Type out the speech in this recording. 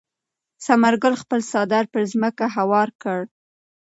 ثمر ګل خپل څادر پر ځمکه هوار کړ.